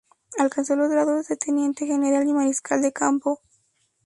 Alcanzó los grados de teniente general y mariscal de campo.